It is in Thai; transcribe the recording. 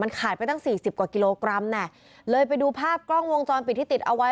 ขายไปตั้งสี่สิบกว่ากิโลกรัมน่ะเลยไปดูภาพกล้องวงจรปิดที่ติดเอาไว้